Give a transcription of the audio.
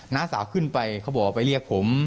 น้าสาวขึ้นไปเขาบอกว่าไปเรียกผม